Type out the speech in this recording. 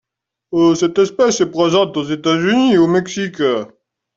Cette espèce est présente aux États-Unis et au Mexique.